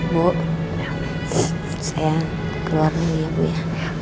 bu saya keluar dulu ya bu ya